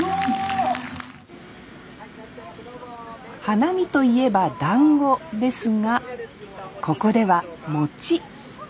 花見といえばだんごですがここでは餅。